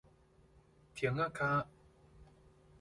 亭仔跤